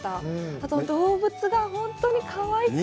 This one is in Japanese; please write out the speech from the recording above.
あと、動物が本当にかわいくて。